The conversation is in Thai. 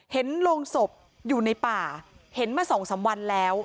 เห็นโรงศพอยู่ในป่าเห็นมา๒๓วันแล้ว